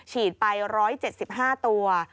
ฉีดไป๑๗๕ตัว